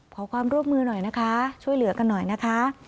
ขอความร่วมมือหน่อยนะคะช่วยเหลือกันหน่อยนะคะ